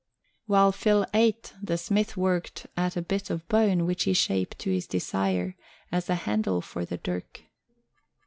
While Phil ate, the smith worked at a bit of bone which he shaped to his desire as a handle for the dirk.